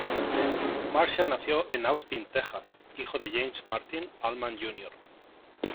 Marshall nació en Austin, Texas, hijo de James Martin Allman Jr.